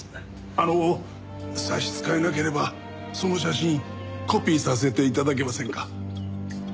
あの差し支えなければその写真コピーさせて頂けませんか？